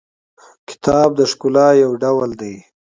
کتاب د ښکلا یو ډول دی.